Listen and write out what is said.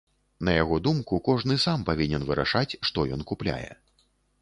На яго думку, кожны сам павінен вырашаць, што ён купляе.